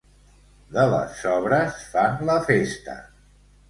De les sobres fan la festa.